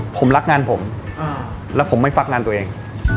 ผมรักงานผมแล้วผมไม่ฟักงานตัวเอง